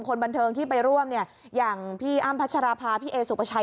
คนบันเทิงที่ไปร่วมเนี่ยอย่างพี่อ้ำพัชราภาพี่เอสุปชัย